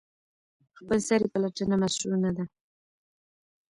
خپلسري پلټنه مشروع نه ده.